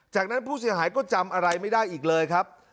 จากนั้นผู้เสียหายก็จำอะไรไม่ได้อีกเลยครับ